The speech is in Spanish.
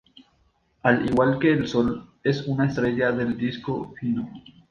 Al igual que el Sol, es una estrella del disco fino.